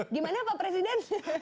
gimana pak presiden